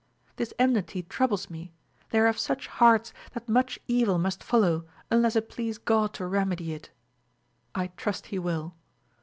This enmity troubles me; they are of such hearts that much evil must follow unless it please God to remedy it. I trust he will.